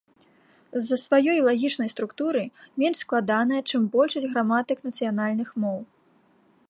З-за сваёй лагічнай структуры менш складаная, чым большасць граматык нацыянальных моў.